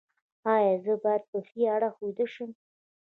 ایا زه باید په ښي اړخ ویده شم؟